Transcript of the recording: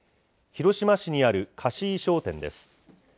広島市にある貸衣装店です。